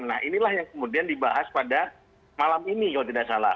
nah inilah yang kemudian dibahas pada malam ini kalau tidak salah